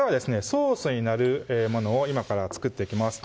ソースになるものを今から作っていきます